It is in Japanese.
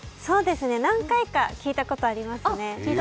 何回か聞いたことありますね。